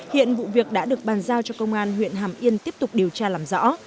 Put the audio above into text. hiện vụ việc đã được bàn giao cho công an huyện hàm yên tiếp tục điều tra làm rõ